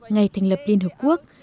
ngày thành lập liên hợp quốc